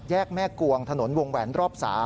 แม่กวงถนนวงแหวนรอบ๓